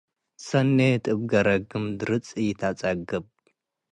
ሰኔት እብ ገረግም፡ ድርጽ ኢተአጸግብ።